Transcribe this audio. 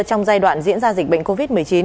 trong giai đoạn diễn ra dịch bệnh covid một mươi chín